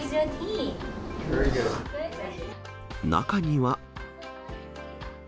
中には。